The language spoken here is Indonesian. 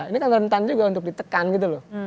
ini kan rentan juga untuk ditekan gitu loh